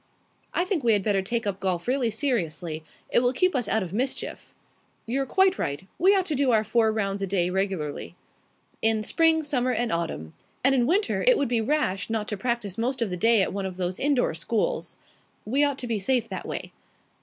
"I think we had better take up golf really seriously. It will keep us out of mischief." "You're quite right. We ought to do our four rounds a day regularly." "In spring, summer, and autumn. And in winter it would be rash not to practise most of the day at one of those indoor schools." "We ought to be safe that way."